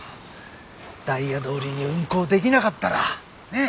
ダイヤどおりに運行出来なかったらねえ？